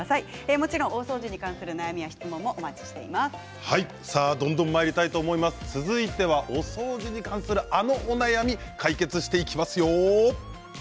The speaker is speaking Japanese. もちろん大掃除に関する続いてはお掃除に関するあのお悩みを解決していきますよ。